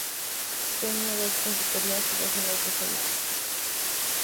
Tenía dos confiterías y dos salas de señoras.